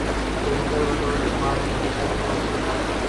دوسری طرف بطور استعمار، امریکہ کے توسیعی عزائم ہیں۔